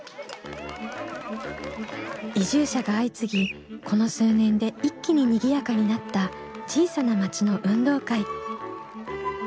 移住者が相次ぎこの数年で一気ににぎやかになった小さな町の運動会。